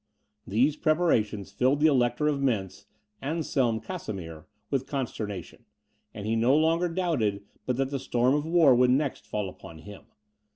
These preparations filled the Elector of Mentz, Anselm Casimir, with consternation; and he no longer doubted but that the storm of war would next fall upon him.